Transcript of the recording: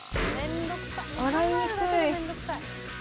洗いにくい。